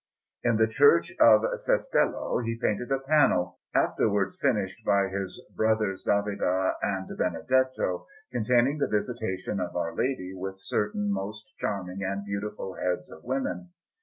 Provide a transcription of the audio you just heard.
In the Church of Cestello he painted a panel afterwards finished by his brothers David and Benedetto containing the Visitation of Our Lady, with certain most charming and beautiful heads of women.